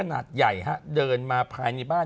เนาะ